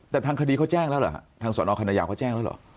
แต่ทางคดีเขาแจ้งแล้วเหรอฮะทางสอนอคณะยาวเขาแจ้งแล้วเหรอ